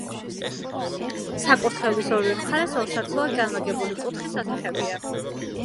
საკურთხევლის ორივე მხარეს ორ სართულად განლაგებული კუთხის ოთახებია.